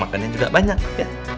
oh luar biasa itu anak kita